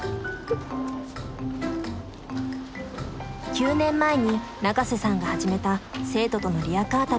９年前に永瀬さんが始めた生徒とのリヤカー旅。